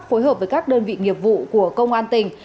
phối hợp với các đơn vị nghiệp vụ của công an tỉnh